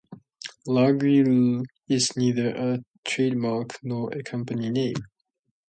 "Laguiole" is neither a trademark nor a company name.